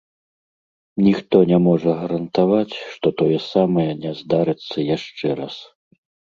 Ніхто не можа гарантаваць, што тое самае не здарыцца яшчэ раз.